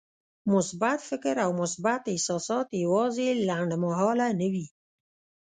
مثبت فکر او مثبت احساسات يوازې لنډمهاله نه وي.